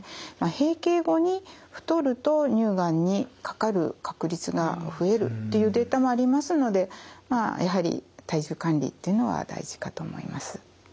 閉経後に太ると乳がんにかかる確率が増えるというデータもありますのでやはり体重管理というのは大事かと思います。